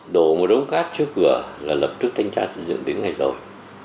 đổ một đống cát trước cửa là lập tức thanh tra xây dựng đến ngày rồi